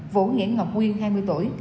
vũ nghĩa ngọc nguyên hai mươi tuổi